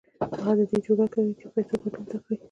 هغه د دې جوګه کوي چې د پيسو ګټل زده کړي.